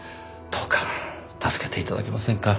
どうか助けて頂けませんか？